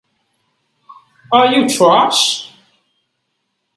Are you trash?